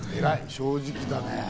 正直だね。